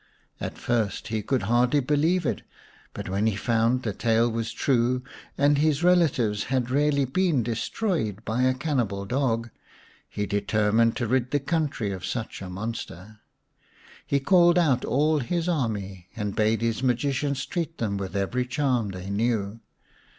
At first he could hardly believe it, but when he found the tale was true, and his relatives 181 The Story of Semai mai xv had really been destroyed by a cannibal dog, he determined to rid the country of such a monster. So he called out all his army and bade his magicians treat them with every charm they knew.